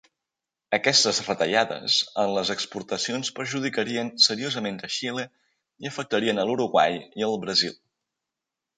Aquestes retallades en les exportacions perjudicarien seriosament a Xile i afectarien a l'Uruguai i el Brasil.